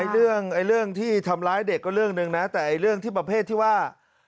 เรื่องที่ทำร้ายเด็กก็เรื่องหนึ่งนะแต่เรื่องที่ประเภทที่ว่า